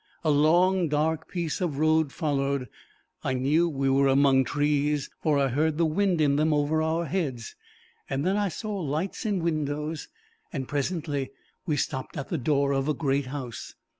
A long dark piece of road followed. I knew we were among trees, for I heard the wind in them over our heads. Then I saw lights in windows, and presently we stopped at the door of a great house.